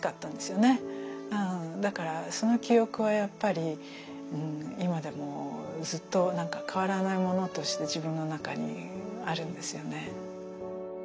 だからその記憶はやっぱり今でもずっと変わらないものとして自分の中にあるんですよね。